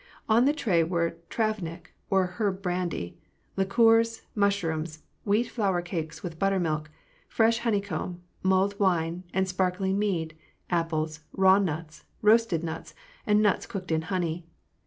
On the tray were travnik or herb brandy, liqueurs, mushrooms, wheat flour cakes with buttermilk, fresh honey comb, mulled wine and sparkling mead, apples, raw nuts, roasted nuts, and nuts cooked in honey.